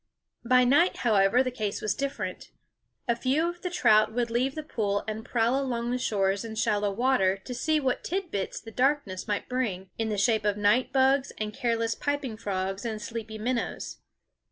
By night, however, the case was different. A few of the trout would leave the pool and prowl along the shores in shallow water, to see what tidbits the darkness might bring, in the shape of night bugs and careless piping Cry in the Cry L JV/ghl ^ SCHOOL OF frogs and sleepy minnows.